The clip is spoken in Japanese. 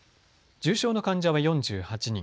重症の患者は４８人。